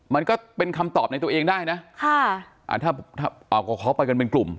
มันก็เป็นคำตอบในตัวเองได้นะค่ะอ่าถ้าเอาก็เขาไปกันเป็นกลุ่ม